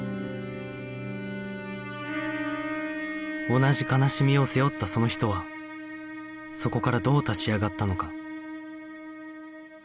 同じ悲しみを背負ったその人はそこからどう立ち上がったのか？